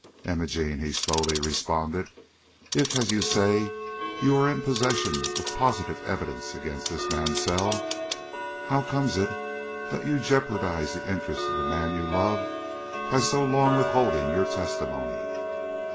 "Imogene," he slowly responded, "if, as you say, you are in possession of positive evidence against this Mansell, how comes it that you jeopardized the interests of the man you loved by so long withholding your testimony?"